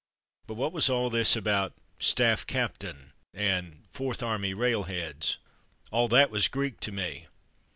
But what was all this about ''Staff Captain/' and "Fourth Army Railheads''? All that was Greek to me.